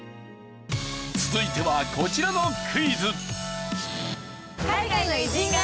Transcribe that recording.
続いてはこちらのクイズ。